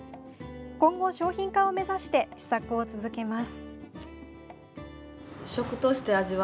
今後、商品化を目指して試作を続けます。